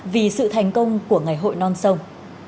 vì sự thành công của ngày hội non sông